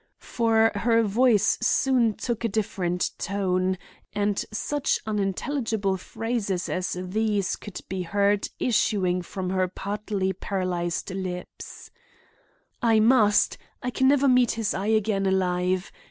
For her voice soon took a different tone, and such unintelligible phrases as these could be heard issuing from her partly paralyzed lips: "'I must!—I can never meet his eye again alive.